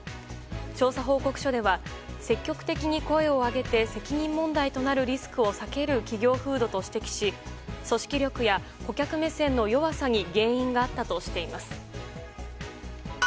調査報告書では積極的に声を上げて責任問題となるリスクを避ける企業風土と指摘し組織力や顧客目線の弱さに原因があったとしています。